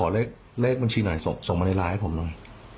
แล้วขอเล็กบัญชีน่ะส่งมาในรายเท่าไหร่